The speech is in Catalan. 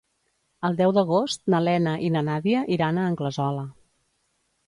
El deu d'agost na Lena i na Nàdia iran a Anglesola.